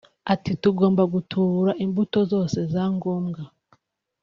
Ati “Tugomba gutubura imbuto zose za ngombwa